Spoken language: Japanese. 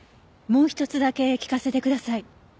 もう一つだけ聞かせてください。